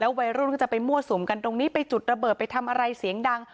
วัยรุ่นก็จะไปมั่วสุมกันตรงนี้ไปจุดระเบิดไปทำอะไรเสียงดัง